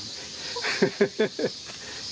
フフフフッ。